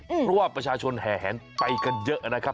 เพราะว่าประชาชนแห่แหนไปกันเยอะนะครับ